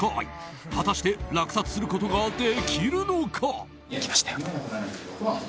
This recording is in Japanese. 果たして落札することができるのか。